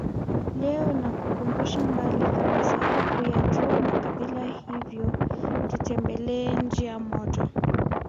Leo nakukumbusha mbali kabisa kuyajua makabila hivyo tutembelee njia moja